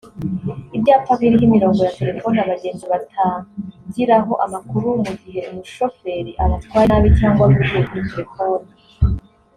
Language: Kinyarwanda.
ibyapa biriho imirongo ya telefone abagenzi batangiraho amakuru mu gihe umushoferi abatwaye nabi cyangwa avugiye kuri telefone